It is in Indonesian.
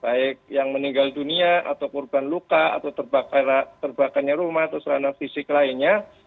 baik yang meninggal dunia atau korban luka atau terbakarnya rumah atau serana fisik lainnya